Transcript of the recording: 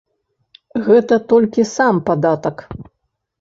Гэта толькі сам падатак.